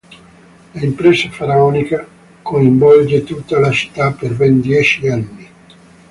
L'impresa faraonica coinvolge tutta la città per ben dieci anni.